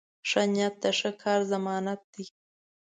ښه نیت د ښه کار ضمانت دی.